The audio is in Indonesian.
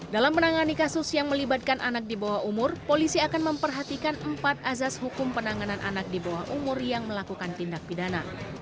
dalam menangani kasus yang melibatkan anak di bawah umur polisi akan memperhatikan empat azas hukum penanganan anak di bawah umur yang melakukan tindak pidana